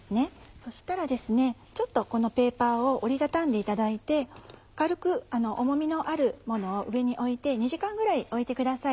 そしたらちょっとこのペーパーを折り畳んでいただいて軽く重みのある物を上に置いて２時間ぐらい置いてください。